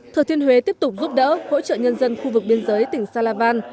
thừa thiên huế tiếp tục giúp đỡ hỗ trợ nhân dân khu vực biên giới tỉnh salavan